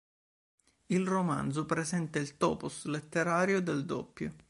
Il romanzo presenta il "topos" letterario del doppio.